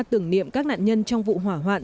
tưởng niệm các nạn nhân trong vụ hỏa hoạn